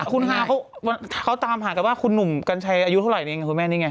คุณฮาเขาตามหากันว่าคุณหนุ่มกัญชัยอายุเท่าไหรนี้ไงคุณแม่นี่ไง